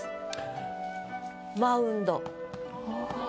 「マウンド」。